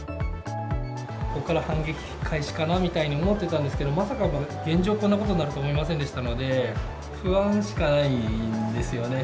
ここから反撃開始かなみたいに思ってたんですけど、まさか現状、こんなことになるとは思いませんでしたので、不安しかないんですよね。